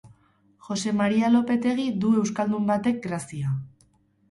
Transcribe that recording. Jose Maria Lopetegi du euskaldun batek grazia.